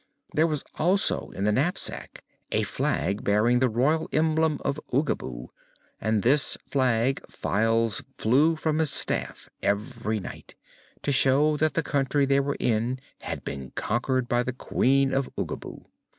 There was also in the knapsack a flag bearing the royal emblem of Oogaboo, and this flag Files flew upon its staff every night, to show that the country they were in had been conquered by the Queen of Oogaboo.